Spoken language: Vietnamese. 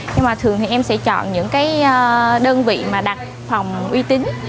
nhưng mà thường thì em sẽ chọn những cái đơn vị mà đặt phòng uy tín